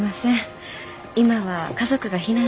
今は家族が避難していて。